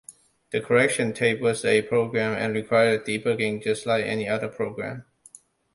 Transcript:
The correction tape was a program, and required debugging just like any other program.